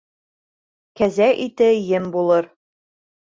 Кәзә ите ем булыр.